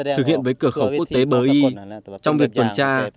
thực hiện với cửa khẩu quốc tế bờ y trong việc tuần tra